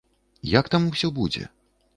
Як там усё будзе?